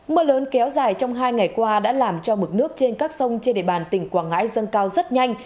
mưa lớn kéo dài trong hai ngày qua đã làm cho mực nước trên các sông trên địa bàn tỉnh quảng ngãi dâng cao rất nhanh